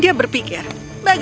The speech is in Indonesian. di petunjuk karawang